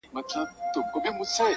o امير ئې ورکوي، شيخ مير ئې نه ورکوي!